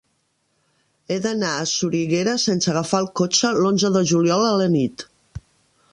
He d'anar a Soriguera sense agafar el cotxe l'onze de juliol a la nit.